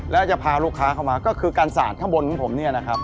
แล้วจะพาลูกค้าเข้ามาก็คือการสาดข้างบนของผมเนี่ยนะครับ